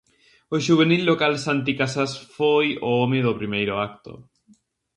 O xuvenil local Santi casas foi o home do primeiro acto.